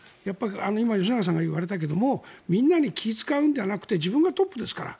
今、吉永さんが言われたけどみんなに気を使うのではなくて自分がトップですから。